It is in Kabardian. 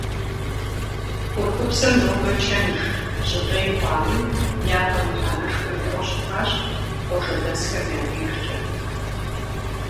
Курпыпсыр нобэ чэнж, жьгъей хъуами, япэм мыхьэнэшхуэ иӏэу щытащ къуажэдэсхэм я дежкӏэ.